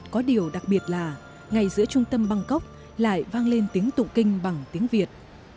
có điều đặc biệt là ngay giữa trung tâm bangkok lại vang lên tiếng tụng kinh bằng tiếng việt